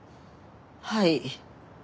はい。